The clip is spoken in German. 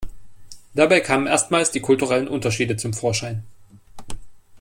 Dabei kamen erstmals die kulturellen Unterschiede zum Vorschein.